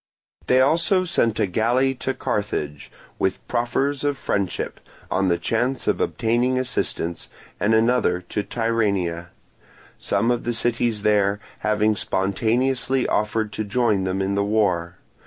They also sent a galley to Carthage, with proffers of friendship, on the chance of obtaining assistance, and another to Tyrrhenia; some of the cities there having spontaneously offered to join them in the war.